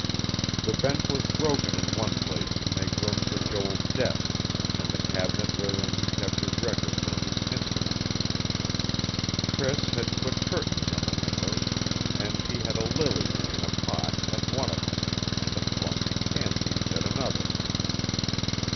The bench was broken in one place to make room for Joel's desk, and the cabinet wherein he kept his records and his instruments. Priss had put curtains on the windows; and she had a lily, in a pot, at one of them, and a clump of pansies at another.